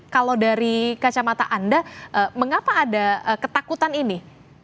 kalau dari kacamata anda mengapa ada ketakutan ini